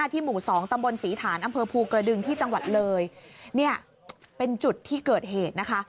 หมู่๒ตำบลศรีฐานอำเภอภูกระดึงที่จังหวัดเลยเนี่ยเป็นจุดที่เกิดเหตุนะคะ